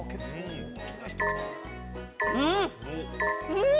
うん！